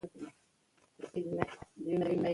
پاولو کویلیو په ریو ډی جنیرو کې زیږیدلی دی.